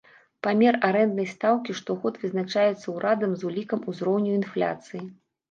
Памер арэнднай стаўкі штогод вызначаецца ўрадам з улікам узроўню інфляцыі.